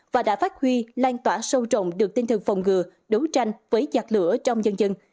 và đã phát huy lan tỏa sâu rộng được tinh thần phòng ngừa đấu tranh với giặc lửa trong dân dân